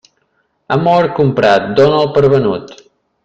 Amor comprat dóna'l per venut.